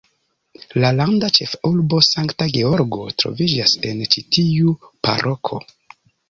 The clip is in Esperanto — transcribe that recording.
La landa ĉefurbo, Sankta Georgo troviĝas en ĉi tiu paroko.